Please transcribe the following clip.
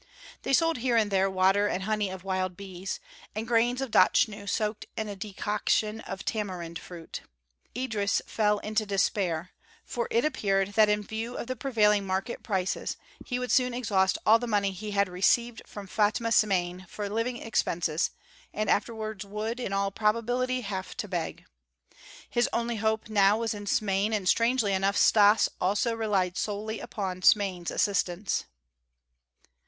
They sold here and there water and honey of wild bees, and grains of dochnu soaked in a decoction of tamarind fruit. Idris fell into despair, for it appeared that in view of the prevailing market prices he would soon exhaust all the money he had received from Fatma Smain for living expenses and afterwards would, in all probability, have to beg. His only hope now was in Smain, and strangely enough Stas also relied solely upon Smain's assistance.